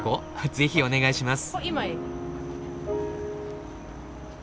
是非お願いします！